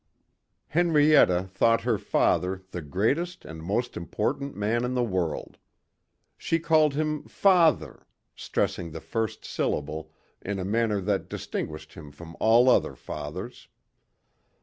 Henrietta thought her father the greatest and most important man in the world. She called him "FATHer," stressing the first syllable in a manner that distinguished him from all other fathers.